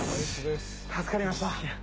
助かりました。